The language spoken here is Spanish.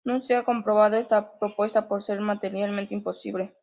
No se ha comprobado esta propuesta por ser materialmente imposible.